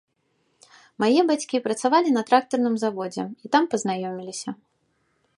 Мае бацькі працавалі на трактарным заводзе і там пазнаёміліся.